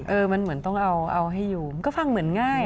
มันเหมือนต้องเอาให้อยู่มันก็ฟังเหมือนง่าย